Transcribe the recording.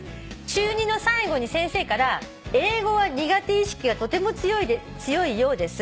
「中２の最後に先生から『英語は苦手意識がとても強いようです。